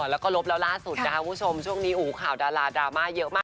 แล้วก็ลบแล้วล่าสุดนะคะคุณผู้ชมช่วงนี้ข่าวดาราดราม่าเยอะมาก